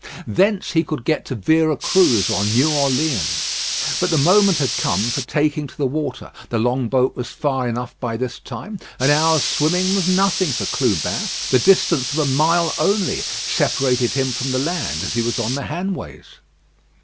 Thence he could get to Vera Cruz or New Orleans. But the moment had come for taking to the water. The long boat was far enough by this time. An hour's swimming was nothing for Clubin. The distance of a mile only separated him from the land, as he was on the Hanways.